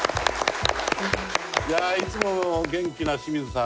いやいつもお元気な清水さん